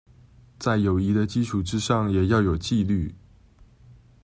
在友誼的基礎之上也要有紀律